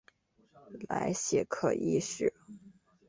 莱谢克一世。